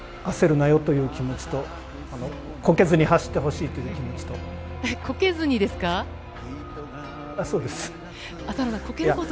焦るなよという気持ちと、こけずに走ってほしいという気持ちと。